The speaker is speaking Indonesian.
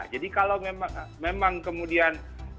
jadi kalau memang kemudian varian delta